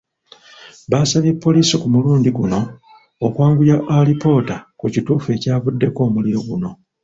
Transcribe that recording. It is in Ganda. Baasabye poliisi ku mulundi guno okwanguya alipoota ku kituufu ekyavuddeko omuliro guno.